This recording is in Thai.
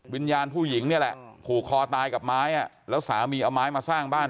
วิญญาณผู้หญิงเนี่ยแหละผูกคอตายกับไม้แล้วสามีเอาไม้มาสร้างบ้าน